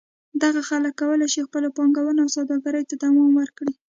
دغه خلک کولای شي خپلو پانګونو او سوداګرۍ ته دوام ورکړي.